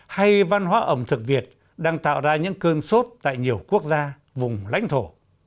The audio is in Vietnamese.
hay văn hóa ẩm thực việt đang tạo ra những cơn sốt tại nhiều quốc gia vùng lãnh thổ